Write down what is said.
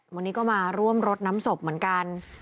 วันนี้ก็มาร่วมรดน้ำศพเหมือนกัน